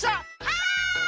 はい！